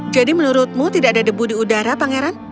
jadi menurutmu tidak ada debu di udara pangeran